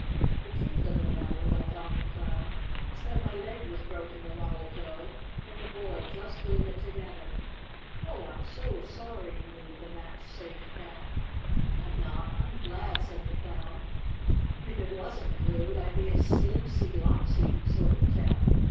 "The truth of the matter," went on the Clown, "is that my leg was broken a while ago, and the boy just glued it together." "Oh, I'm so sorry!" mewed the Match Safe Cat. "I'm not I'm glad," said the Clown. "If it wasn't glued I'd be a slimpsy lopsy sort of chap."